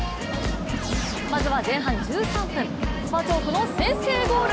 まずは前半１３分、スパチョークの先制ゴール。